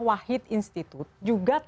wahid institut juga